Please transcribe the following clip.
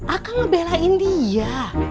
akang ngebelain dia